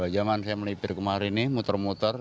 dua jam an saya melipir kemarin ini muter muter